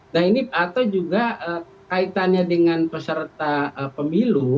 nah ini atau juga kaitannya dengan peserta pemilu